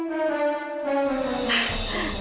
tunggu aku mau ke teman aku